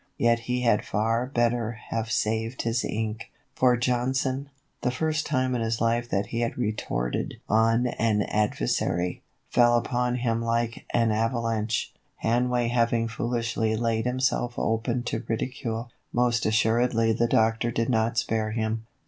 Yet he had far better have saved his ink, for Johnson the first time in his life that he had retorted on an adversary fell upon him like an avalanche. Hanway having foolishly laid himself open to ridicule, most assuredly the Doctor did not spare him.